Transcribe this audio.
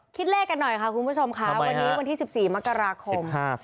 คิดเลขกันหน่อยค่ะคุณผู้ชมค่ะวันนี้วันที่๑๔มกราคม